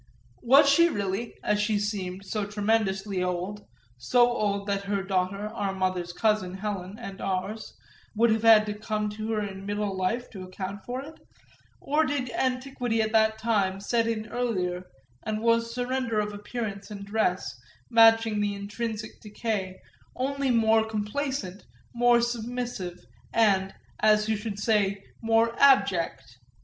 Was she really, as she seemed, so tremendously old, so old that her daughter, our mother's cousin Helen and ours, would have had to come to her in middle life to account for it, or did antiquity at that time set in earlier and was surrender of appearance and dress, matching the intrinsic decay, only more complacent, more submissive and, as who should say, more abject?